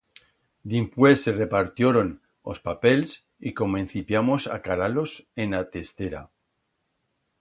Dimpués se repartioron os papels y comencipiamos a calar-los en a testera.